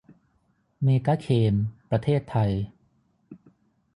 เมกาเคม ประเทศไทย